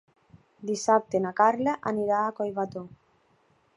Dissabte na Carla anirà a Collbató.